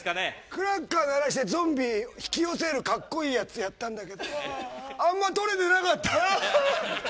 クラッカー鳴らしてゾンビ引き寄せる格好いいやつやったんだけどあまりとれてなかった。